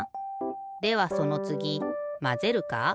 ではそのつぎまぜるか？